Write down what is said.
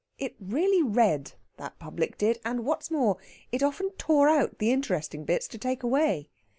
It really read, that public did; and, what's more, it often tore out the interesting bits to take away.